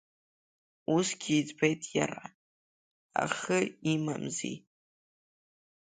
Усгьы иӡбеит иара, ахы имамзи…